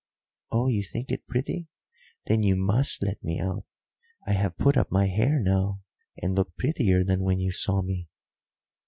"Oh, you think it pretty? Then you must let me out. I have put up my hair now, and look prettier than when you saw me."